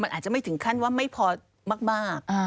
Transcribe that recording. อาจจะไม่ถึงขั้นว่าไม่พอมาก